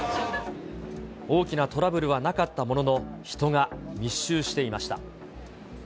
大きなトラブルはなかったものの、人が密集していました。